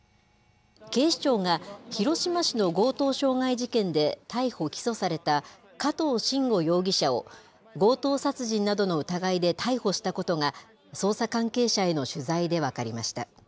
警視庁が広島市の強盗傷害事件で逮捕・起訴された加藤臣吾容疑者を、強盗殺人などの疑いで逮捕したことが、捜査関係者への取材で分かりました。